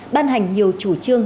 ban hành nhiều chủ trương